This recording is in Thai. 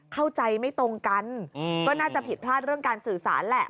เข้าใจไม่ตรงกันก็น่าจะผิดพลาดเรื่องการสื่อสารแหละ